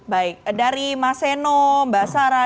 baik dari mas seno mbak sarah